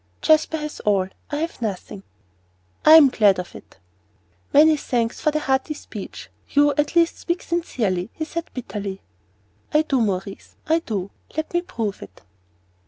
"Jasper has all. I have nothing." "I am glad of it." "Many thanks for the hearty speech. You at least speak sincerely," he said bitterly. "I do, Maurice I do; let me prove it."